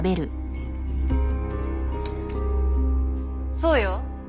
そうよ。